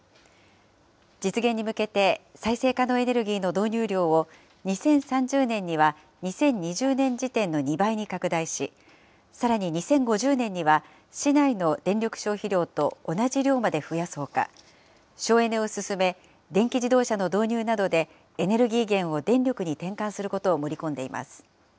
実現に向けて再生可能エネルギーの導入量を２０３０年には２０２０年時点の２倍に拡大し、さらに２０５０年には、市内の電力消費量と同じ量まで増やすほか、省エネを進め、電気自動車の導入などでエネルギー源を電力に転換することを盛り込んでいます。